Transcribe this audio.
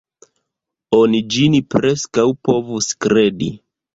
Oni ĝin preskaŭ povus kredi.